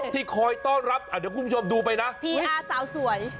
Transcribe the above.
ที่คอยต้อนรับเดี๋ยวคุณผู้ชมดูไปนะพี่ฮาสาวสวย